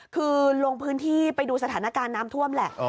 คือลงพื้นที่ไปดูสถานการณ์น้ำท่วมแหละ